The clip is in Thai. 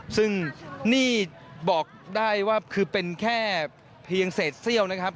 ซึ่งนี่บอกได้ว่าคือเป็นแค่เพียงเศษเซี่ยวนะครับ